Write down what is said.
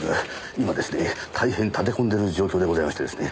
今ですね大変立て込んでる状況でございましてですね。